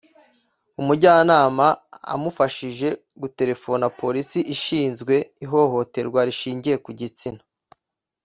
umujyanama amufashije guterefona polisi ishinzwe ihohoterwa rishingiye ku gitsina,